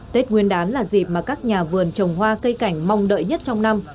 tết nguyên đán là dịp mà các nhà vườn trồng hoa cây cảnh mong đợi nhất trong năm